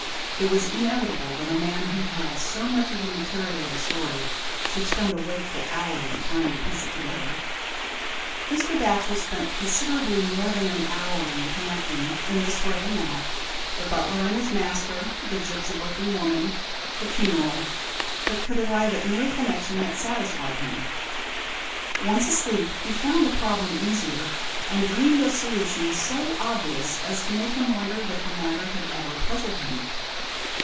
It was inevitable that a man who had so much of the material of a story should spend a wakeful hour in trying to piece it together. Mr. Batchel spent considerably more than an hour in connecting, in this way and that, the butler and his master, the gypsy looking woman, the funeral, but could arrive at no connexion that satisfied him. Once asleep, he found the problem easier, and dreamed a solution so obvious as to make him wonder that the matter had ever puzzled him.